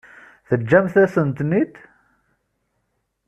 Teǧǧamt-asent-ten-id?